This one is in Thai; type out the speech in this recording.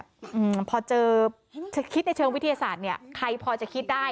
อืมพอเจอคิดในเชิงวิทยาศาสตร์เนี้ยใครพอจะคิดได้